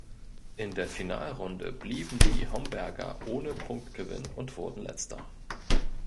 In der Finalrunde blieben die Homberger ohne Punktgewinn und wurden Letzter.